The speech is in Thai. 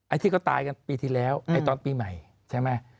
ที่เขาตายกันปีที่แล้วไอ้ตอนปีใหม่ใช่ไหม